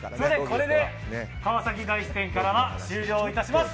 これで川崎大師店からは終了致します。